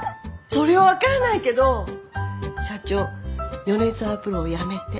それは分からないけど社長米沢プロを辞めて。